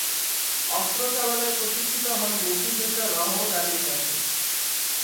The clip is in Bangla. অস্ত্র চালনায় প্রশিক্ষিত হন মুক্তিযোদ্ধা রহমত আলীর কাছে।